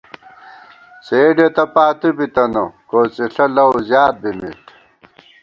څېڈے تہ پاتُو بِتِتہ ، کوڅِݪہ لؤ زیات بِمېت